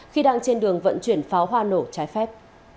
khi đang trên đường vận chuyển pháo hoa nổ trái phép